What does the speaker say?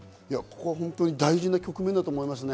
大事な局面だと思いますね。